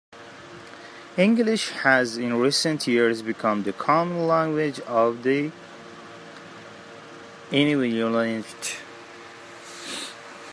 English has in recent years become the common language of the Inuvialuit.